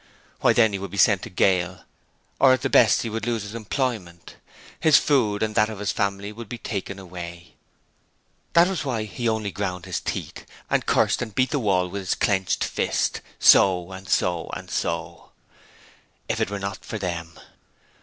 Why then he would be sent to gaol, or at the best he would lose his employment: his food and that of his family would be taken away. That was why he only ground his teeth and cursed and beat the wall with his clenched fist. So! and so! and so! If it were not for them!